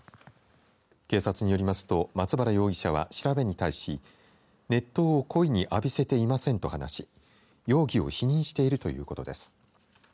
警察によりますと松原容疑者は、調べに対し熱湯を故意に浴びせていませんと話し容疑を否認しているということです。